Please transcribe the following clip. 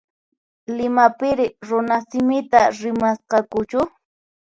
Limapiri runasimita rimasqakuchu?